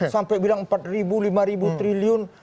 sampai bilang empat lima triliun